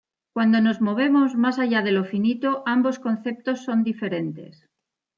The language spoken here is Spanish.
Cuando nos movemos más allá de lo finito, ambos conceptos son diferentes.